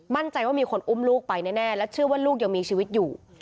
มั่นใจว่ามีคนอุ้มลูกไปแน่และเชื่อว่าลูกยังมีชีวิตอยู่